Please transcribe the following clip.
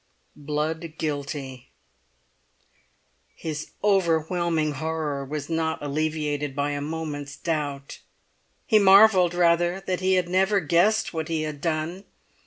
BLOOD GUILTY His overwhelming horror was not alleviated by a moment's doubt. He marvelled rather that he had never guessed what he had done.